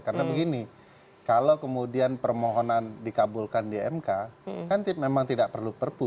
karena begini kalau kemudian permohonan dikabulkan di mk kan memang tidak perlu perpu